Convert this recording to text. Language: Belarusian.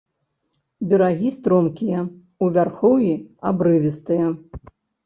Берагі стромкія, у вярхоўі абрывістыя.